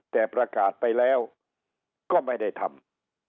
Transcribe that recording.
แต่ประกาศไปแล้วก็ไม่ได้ทำ